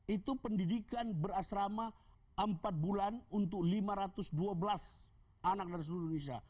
itu pendidikan berasrama empat bulan untuk lima ratus dua belas anak dari seluruh indonesia